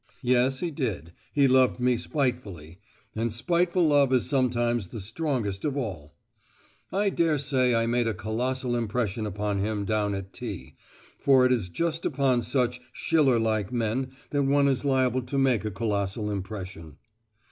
Yes, he did, he loved me spitefully—and spiteful love is sometimes the strongest of all. "I daresay I made a colossal impression upon him down at T——, for it is just upon such Schiller like men that one is liable to make a colossal impression.